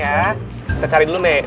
kita cari dulu nek